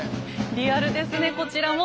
リアルですねこちらも。